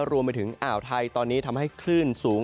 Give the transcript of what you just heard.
รวมไปถึงอ่าวไทยตอนนี้ทำให้คลื่นสูง